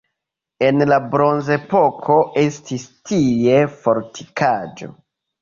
En la bronzepoko estis tie fortikaĵo.